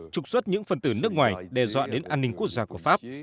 trục xuất những phần tử nước ngoài đe dọa đến an ninh quốc gia của pháp